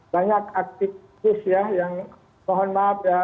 banyak aktivis ya yang mohon maaf ya